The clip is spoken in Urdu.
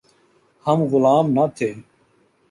ہم غلام نہ تھے۔